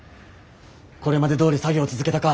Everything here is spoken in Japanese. これまでどおり作業を続けたか。